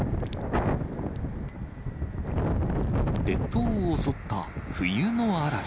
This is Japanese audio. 列島を襲った冬の嵐。